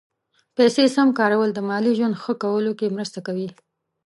پیسې سم کارول د مالي ژوند ښه کولو کې مرسته کوي.